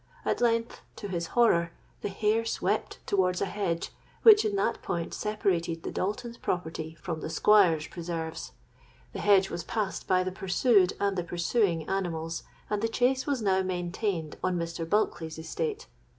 At length, to his horror, the hare swept towards a hedge, which in that point separated the Daltons' property from the Squire's preserves:—the hedge was passed by the pursued and the pursuing animals, and the chase was now maintained on Mr. Bulkeley's estate.